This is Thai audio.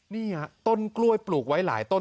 นี่ฮะต้นกล้วยปลูกไว้หลายต้น